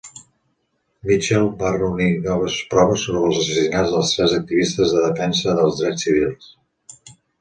Mitchell va reunir noves proves sobre els assassinats dels tres activistes de defensa dels drets civils.